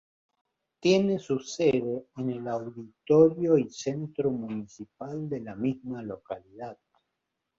Tiene su sede en el Auditorio y Centro Municipal de la misma localidad.